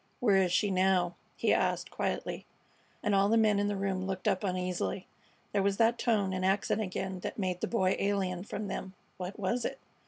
"Where is she now?" he asked, quietly; and all the men in the room looked up uneasily. There was that tone and accent again that made the Boy alien from them. What was it?